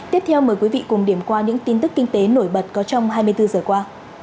tiếp theo mời quý vị cùng điểm qua những tin tức kinh tế nổi bật có trong hai mươi bốn giờ qua